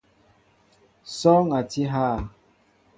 Sɔɔŋ a tí hà ?